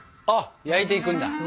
あっ焼いていくんだ。